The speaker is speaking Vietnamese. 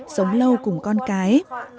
sống lâu cùng con cái